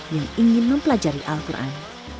yang ingin mempelajari al quran